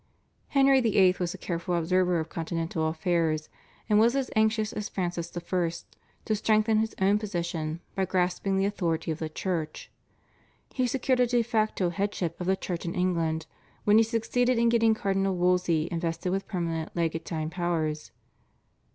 Henry VIII. was a careful observer of Continental affairs and was as anxious as Francis I. to strengthen his own position by grasping the authority of the Church. He secured a /de facto/ headship of the Church in England when he succeeded in getting Cardinal Wolsey invested with permanent legatine powers.